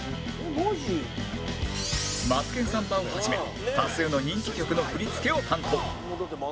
『マツケンサンバ』をはじめ多数の人気曲の振り付けを担当